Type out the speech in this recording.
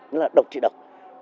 nó là độc trị độc